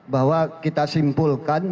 bahwa kita simpulkan